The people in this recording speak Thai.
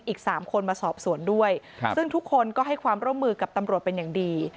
อีก๓คนมาสอบสวนด้วยซึ่งทุกคนก็ให้ความร่วมมือกับตำรวจเป็นอย่างดี